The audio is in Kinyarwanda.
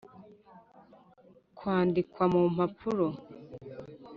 kwandikwa mu mpapuro